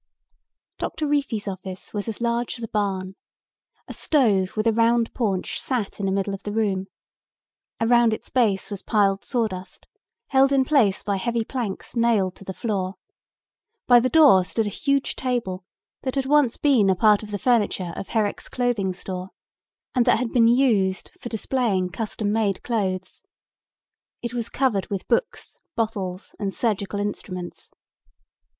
Doctor Reefy's office was as large as a barn. A stove with a round paunch sat in the middle of the room. Around its base was piled sawdust, held in place by heavy planks nailed to the floor. By the door stood a huge table that had once been a part of the furniture of Herrick's Clothing Store and that had been used for displaying custom made clothes. It was covered with books, bottles, and surgical instruments.